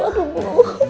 ya allah bu